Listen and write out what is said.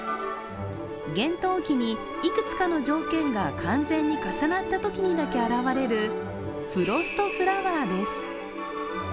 厳冬期にいくつかの条件が完全に重なったときにだけ現れるフロストフラワーです。